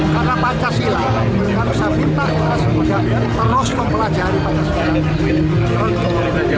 karena pancasila kita bisa minta kita semoga terus mempelajari pancasila